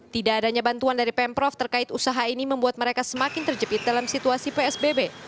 tidak adanya bantuan dari pemprov terkait usaha ini membuat mereka semakin terjepit dalam situasi psbb